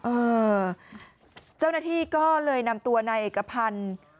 เจ้าหน้าที่ก็เลยนำตัวนายเอกพันธ์